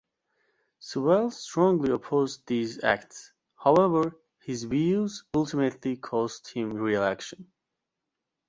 Sewell strongly opposed these acts; however, his views ultimately cost him re-election.